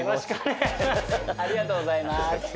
ありがとうございます。